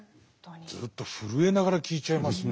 ずっと震えながら聴いちゃいますね。